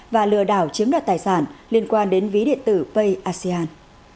và lừa đảo chiếm đoạt tài sản liên quan đến ví điện tử payason